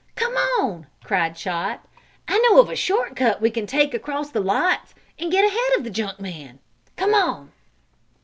"Come on!" cried Chot. "I know a short cut we can take across the lots, and get ahead of the junk man. Come on!"